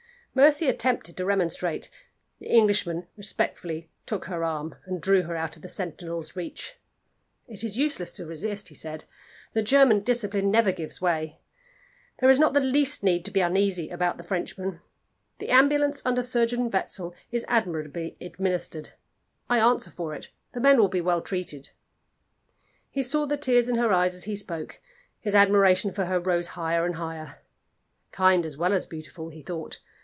Mercy attempted to remonstrate. The Englishman respectfully took her arm, and drew her out of the sentinel's reach. "It is useless to resist," he said. "The German discipline never gives way. There is not the least need to be uneasy about the Frenchmen. The ambulance under Surgeon Wetzel is admirably administered. I answer for it, the men will be well treated." He saw the tears in her eyes as he spoke; his admiration for her rose higher and higher. "Kind as well as beautiful," he thought.